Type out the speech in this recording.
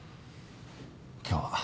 今日は。